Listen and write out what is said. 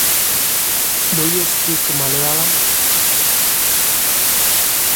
Cycloglucans have physicochemical properties that make them useful in food and manufacturing.